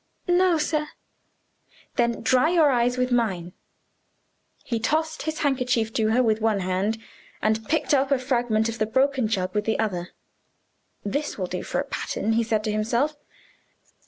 "No, sir." "Then dry your eyes with mine." He tossed his handkerchief to her with one hand, and picked up a fragment of the broken jug with the other. "This will do for a pattern," he said to himself.